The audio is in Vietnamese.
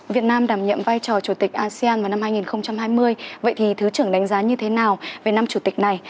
việt nam đảm nhiệm vai trò chủ tịch asean vào năm hai nghìn hai mươi vậy thì thứ trưởng đánh giá như thế nào về năm chủ tịch này